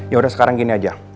yaudah sekarang gini aja